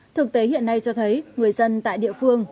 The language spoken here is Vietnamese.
thực tế hiện nay cho thấy người dân tại địa phương